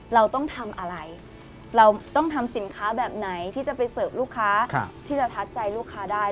เราต้องทำอะไรเราต้องทำสินค้าแบบไหนที่จะไปเสิร์ฟลูกค้าที่จะทัดใจลูกค้าได้